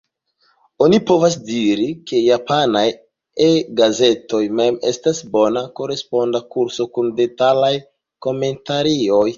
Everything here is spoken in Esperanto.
Oni povas diri, ke japanaj E-gazetoj mem estas bona koresponda kurso kun detalaj komentarioj.